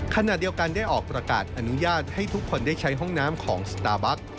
ขณะเดียวกันได้ออกประกาศอนุญาตให้ทุกคนได้ใช้ห้องน้ำของสตาร์บัค